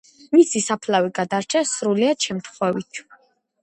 მისი საფლავი გადარჩა სრულიად შემთხვევით.